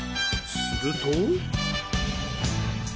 すると。